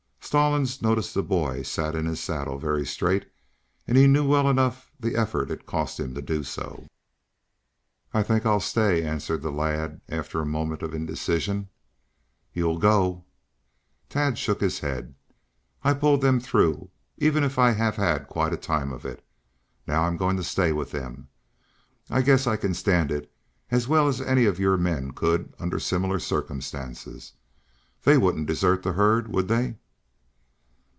Stallings noticed that the boy sat in his saddle very straight, and he knew well enough the effort it cost him to do so. "I think I'll stay," answered the lad after a moment of indecision. "You'll go!" Tad shook his head. "I've pulled them through, even if I have had quite a time of it. Now I'm going to stay with them. I guess I can stand it as well as any of your men could under similar circumstances. They wouldn't desert the herd, would they?"